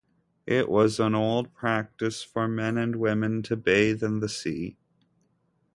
It was an old practice for men and women to bathe in the sea.